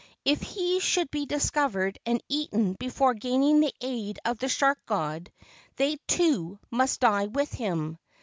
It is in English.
If he should be discovered and eaten before gaining the aid of the shark god, they, too, must die with him.